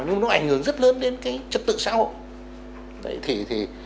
nhưng nó ảnh hưởng rất lớn đến cái trật tự xã hội